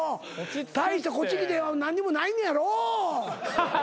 大してこっち来て何にもないねやろ？